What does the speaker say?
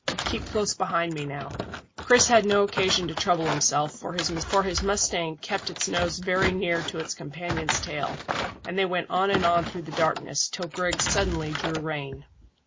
Keep close behind me now." Chris had no occasion to trouble himself, for his mustang kept its nose very near to its companion's tail, and they went on and on through the darkness, till Griggs suddenly drew rein.